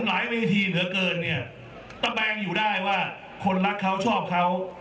เวทีเหลือเกินเนี่ยตะแปลงอยู่ได้ว่าคนรักเขาชอบเขา